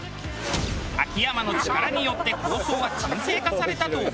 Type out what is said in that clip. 秋山の力によって抗争は沈静化されたと思われたが。